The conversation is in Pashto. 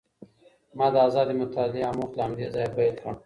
ما د ازادې مطالعې اموخت له همدې ځایه پیل کړ.